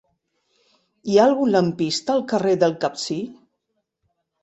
Hi ha algun lampista al carrer del Capcir?